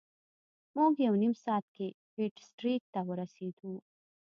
موږ په نیم ساعت کې پیټ سټریټ ته ورسیدو.